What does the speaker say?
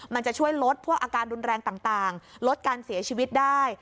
มันจะช่วยลดพวกอาการรุนแรงต่างลดการเสียชีวิตได้